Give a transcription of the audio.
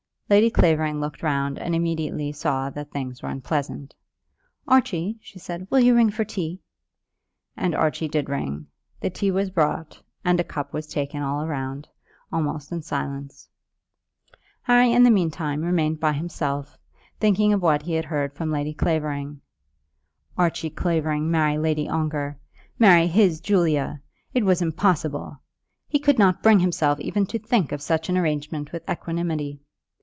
Lady Clavering looked round and immediately saw that things were unpleasant. "Archie," she said, "will you ring for tea?" And Archie did ring. The tea was brought, and a cup was taken all round, almost in silence. Harry in the meantime remained by himself thinking of what he had heard from Lady Clavering. Archie Clavering marry Lady Ongar, marry his Julia! It was impossible. He could not bring himself even to think of such an arrangement with equanimity.